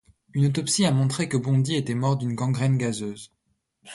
Une autopsie a montré que Bondy était mort d'une gangrène gazeuse.